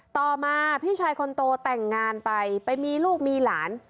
ต่อมาพี่ชายคนโตแต่งงานไปไปมีลูกมีหลาน